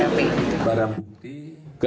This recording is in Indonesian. untuk membantu jajanan kepolisian menyusun gap